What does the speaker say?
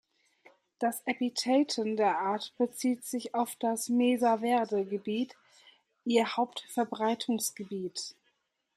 Das Epitheton der Art bezieht sich auf das Mesa-Verde-Gebiet, ihr Hauptverbreitungsgebiet.